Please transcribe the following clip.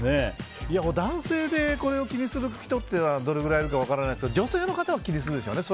男性でこれを気にする人ってどれぐらいいるか分からないですが女性は気にする人いるでしょうね。